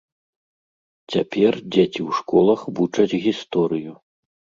Цяпер дзеці ў школах вучаць гісторыю.